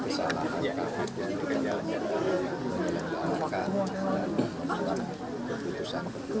kesalahan kejahatan keputusan keputusan